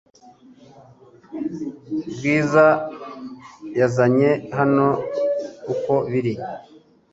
Bwiza yazanye hano uko biri